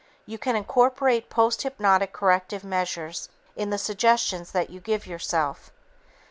You can incorporate posthypnotic corrective measures in the suggestions that you give yourself.